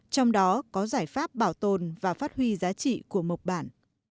trong đó có giải pháp bảo tồn và phát huy giá trị của mộc bản